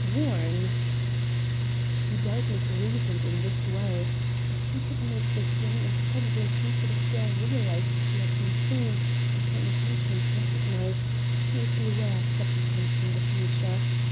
"Warn?" "He doubtless reasoned in this way. If he could make this young and probably sensitive girl realize that she had been seen and her intentions recognized, she would beware of such attempts in the future.